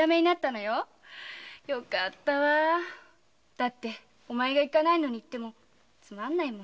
だってお前が行かないのに行ってもつまんないもの。